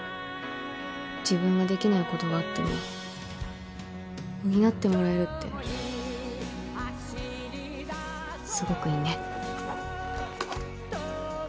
自分ができないことがあっても補ってもらえるってすごくいいね。